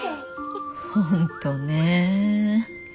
本当ね。